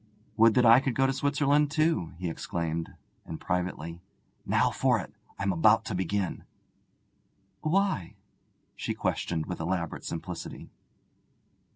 'Would that I could go to Switzerland too!' he exclaimed; and privately: 'Now for it! I'm about to begin.' 'Why?' she questioned, with elaborate simplicity.